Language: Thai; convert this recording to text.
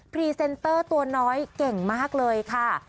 พรีเซนเตอร์ตัวน้อยเก่งมากเลยค่ะ